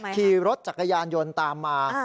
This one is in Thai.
ขี่รถจักรยานยนต์ตามมา